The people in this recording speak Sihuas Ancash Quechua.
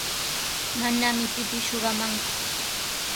Manami pipis shuqamanku.